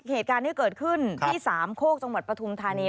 เหตุการณ์ที่เกิดขึ้นที่สามโคกจังหวัดปฐุมธานี